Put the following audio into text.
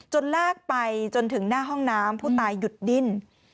ลากไปจนถึงหน้าห้องน้ำผู้ตายหยุดดิ้น